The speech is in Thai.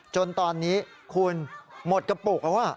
จนตอนนี้คุณหมดกระปุกแล้ว